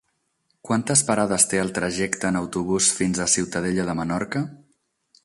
Quantes parades té el trajecte en autobús fins a Ciutadella de Menorca?